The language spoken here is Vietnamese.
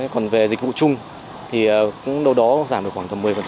còn về dịch vụ chung thì cũng đâu đó giảm được khoảng tầm một mươi